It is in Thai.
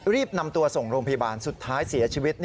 รีบนำตัวส่งโรงพยาบาลสุดท้ายเสียชีวิต